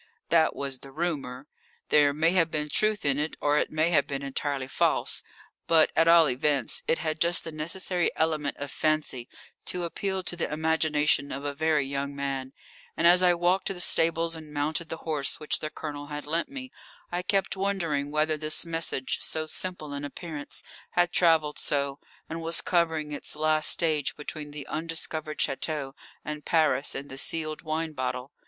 That was the rumour. There may have been truth in it, or it may have been entirely false. But, at all events, it had just the necessary element of fancy to appeal to the imagination of a very young man, and as I walked to the stables and mounted the horse which the Colonel had lent me, I kept wondering whether this message, so simple in appearance, had travelled so, and was covering its last stage between the undiscovered château and Paris in the sealed wine bottle.